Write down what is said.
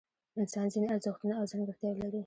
انسان ځینې ارزښتونه او ځانګړتیاوې لري.